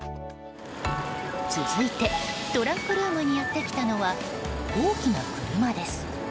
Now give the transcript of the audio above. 続いてトランクルームにやってきたのは大きな車です。